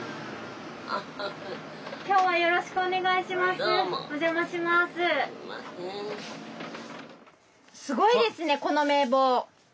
すごいですねこの名簿。